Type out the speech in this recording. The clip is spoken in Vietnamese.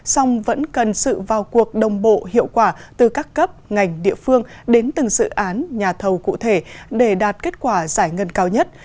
song vẫn cần sự vào cuộc đồng bộ hiệu quả từ các cấp ngành địa phương đến từng dự án nhà thầu cụ thể để đạt kết quả giải ngân cao nhất